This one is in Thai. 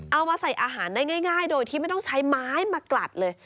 เอามาใส่อาหารได้ง่ายโดยที่ไม่ต้องใช้ไม้มากลัดเลย